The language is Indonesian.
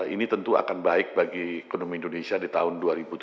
ini tentu akan baik bagi ekonomi indonesia di tahun dua ribu tujuh belas